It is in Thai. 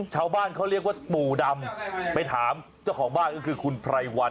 ไหนปู่ดำ